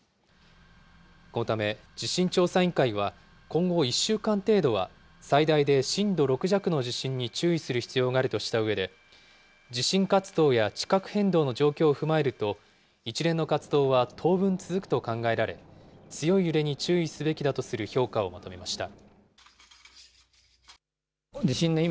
このため、地震調査委員会は、今後１週間程度は、最大で震度６弱の地震に注意する必要があるとしたうえで、地震活動や地殻変動の状況を踏まえると、一連の活動は当分続くと考えられ、強い揺れに注意すべきだとする評価をまとめました。